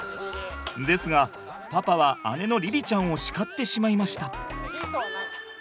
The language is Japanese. ですがパパは姉の凛々ちゃんを叱ってしまいました。